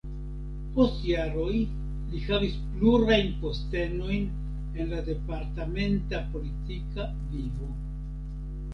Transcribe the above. Post jaroj li havis plurajn postenojn en la departementa politika vivo.